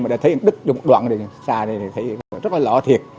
mà đã thấy đứt một đoạn xa này thì thấy rất là lỡ thiệt